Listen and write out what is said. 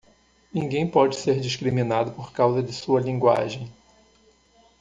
Ninguém pode ser discriminado por causa de sua linguagem.